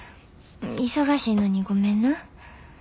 忙しいのにごめんな。